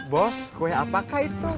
bos kue apakah itu